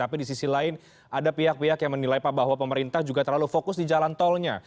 tapi di sisi lain ada pihak pihak yang menilai pak bahwa pemerintah juga terlalu fokus di jalan tolnya